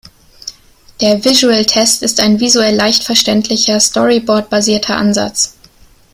Der "Visual Test" ist ein visuell leicht verständlicher, Storyboard-basierter Ansatz.